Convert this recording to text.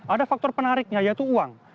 ada faktor penariknya yaitu uang